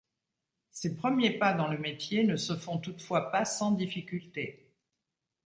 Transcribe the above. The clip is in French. Ses premiers pas dans le métier ne se font toutefois pas sans difficulté.